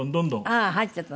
ああ入っちゃったの？